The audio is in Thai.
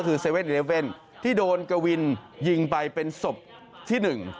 คือ๗๑๑ที่โดนกวินยิงไปเป็นศพที่หนึ่ง